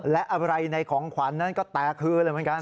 และอะไรในของขวัญนั้นก็แตกคืนเลยเหมือนกัน